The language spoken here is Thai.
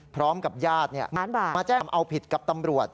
พร้อมกับญาติมาแจ้งเอาผิดกับตำรวจ